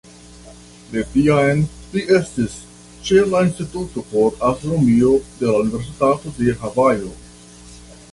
De tiam, li estis ĉe la Instituto por Astronomio de la Universitato de Havajo.